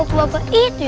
oke jadi kita taruh